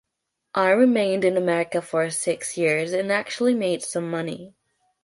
I remained in America for six years, and actually made some money.